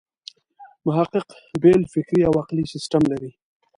محقق بېل فکري او عقلي سیسټم لري.